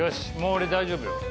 俺大丈夫よ。